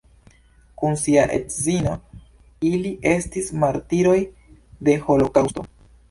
Kun sia edzino ili estis martiroj de holokaŭsto.